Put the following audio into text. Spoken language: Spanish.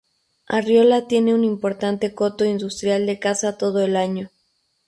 Arriola tiene un importante coto industrial de caza todo el año.